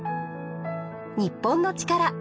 『日本のチカラ』